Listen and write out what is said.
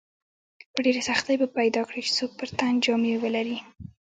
په ډېرې سختۍ به پیدا کړې چې څوک پر تن جامې ولري.